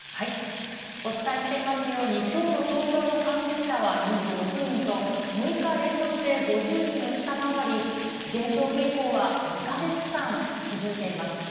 お伝えしていますように、きょうの東京の感染者は２６人と、６日連続で５０人を下回り、減少傾向は２か月間続いています。